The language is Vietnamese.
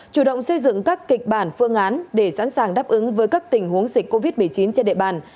chủ động xây dựng các kịch bản phương án để sẵn sàng đáp ứng với các tình huống dịch covid một mươi chín trên địa bàn